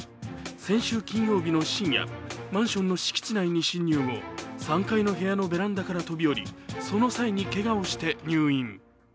先週金曜日の深夜、マンションの敷地内に侵入後、３階の部屋のベランダから飛び降りその際にけがをして入院。